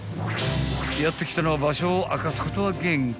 ［やって来たのは場所を明かすことは厳禁］